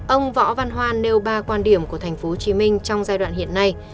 ông võ văn hoan nêu ba quan điểm của tp hcm trong giai đoạn hiện nay